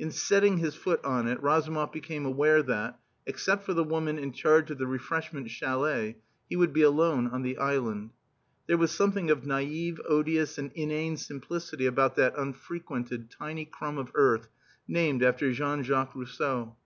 On setting his foot on it Razumov became aware that, except for the woman in charge of the refreshment chalet, he would be alone on the island. There was something of naive, odious, and inane simplicity about that unfrequented tiny crumb of earth named after Jean Jacques Rousseau.